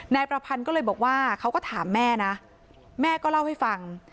นายประพันธ์ก็เลยบอกว่าเขาก็ถามแม่นะแม่ก็เล่าให้ฟัง